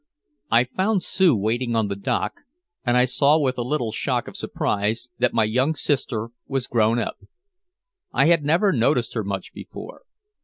I found Sue waiting on the dock, and I saw with a little shock of surprise that my young sister was grown up. I had never noticed her much before.